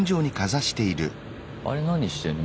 あれ何してんの？